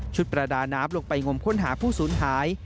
ประดาน้ำลงไปงมค้นหาผู้สูญหาย